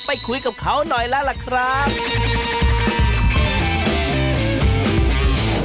ไปคุยกับเขาหน่อยแล้วล่ะครับ